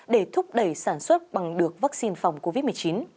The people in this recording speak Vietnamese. để thúc đẩy sản xuất bằng được vaccine phòng covid một mươi chín